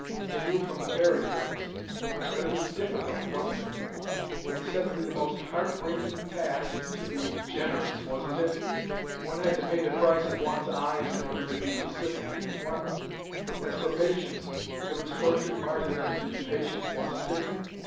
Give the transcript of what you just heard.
They knew from the fairy tales. But it was difficult, wasn't it? It was said to be the most heart breaking task to be generous, wasn't it? One had to pay the price of one's eyes in order to be pacific, didn't one? As for patience, it was tortured martyrdom to be patient, wasn't it?